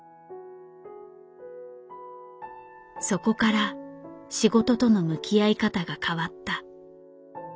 そこから仕事との向き合い方が変わった。